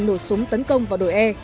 nổ súng tấn công vào đội e